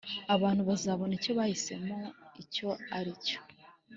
. Abantu bazabona icyo bahisemo icyo aricyo